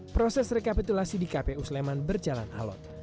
proses rekapitulasi di kpu sleman berjalan alot